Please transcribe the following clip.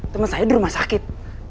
teman saya di rumah sakit